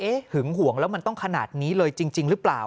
หึงห่วงแล้วมันต้องขนาดนี้เลยจริงหรือเปล่า